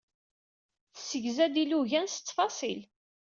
Tessegza-d ilugan s ttfaṣil.